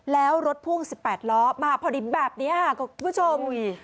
แล้วรถพ่วง๑๘ล้อมาพอดีแบบนี้ค่ะคุณผู้ชม